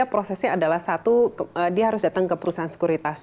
prosesnya adalah satu dia harus datang ke perusahaan sekuritas